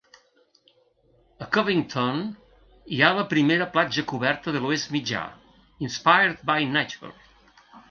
A Covington hi ha la primera platja coberta de l'Oest Mitjà: Inspired by Nature.